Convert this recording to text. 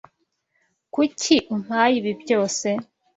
Kuki umpaye ibi byose?